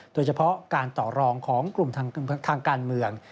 โดยเฉพาะการต่อรองของกลุ่มทางการเมือง